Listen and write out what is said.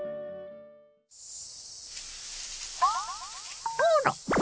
あら。